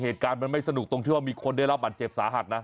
เหตุการณ์มันไม่สนุกตรงที่ว่ามีคนได้รับบัตรเจ็บสาหัสนะ